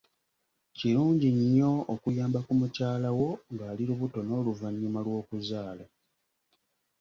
Kirungi nnyo okuyamba ku mukyalawo ng'ali lubuto n'oluvannyuma lw'okuzaala.